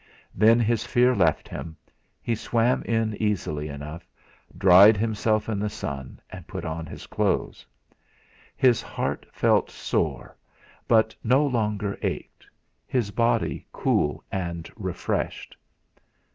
Then his fear left him; he swam in easily enough, dried himself in the sun, and put on his clothes. His heart felt sore, but no longer ached; his body cool and refreshed.